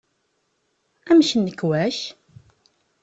Amek nnekwa-k?